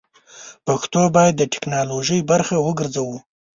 پښتو بايد د ټيکنالوژۍ برخه وګرځوو!